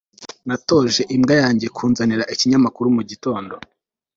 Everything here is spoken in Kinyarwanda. natoje imbwa yanjye kunzanira ikinyamakuru mugitondo